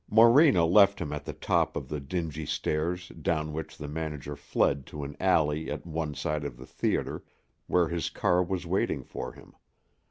Morena left him at the top of the dingy stairs down which the manager fled to an alley at one side of the theater, where his car was waiting for him.